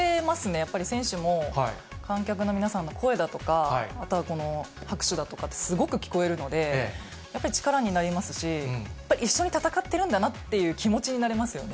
やっぱり選手も観客の皆さんの声だとか、あとは拍手だとかってすごく聞こえるので、やっぱり力になりますし、やっぱり一緒に戦ってるんだなっていう気持ちになれますよね。